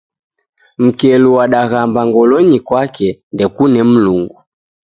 Mkelu wadaghamba ngolonyi kwake. "ndekune Mlungu".